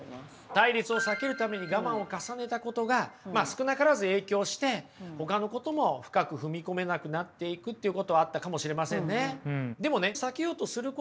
対立を避けるために我慢を重ねたことが少なからず影響してほかのことも深く踏み込めなくなっていくっていうことはあったかもしれませんね。